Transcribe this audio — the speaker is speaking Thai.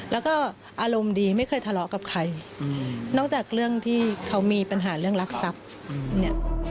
แล้วก็อารมณ์ดีไม่เคยทะเลาะกับใครนอกจากเรื่องที่เขามีปัญหาเรื่องรักทรัพย์เนี่ย